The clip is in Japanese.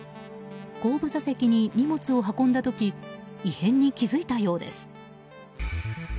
後部座席に荷物を運んだ時異変に気付いたようです。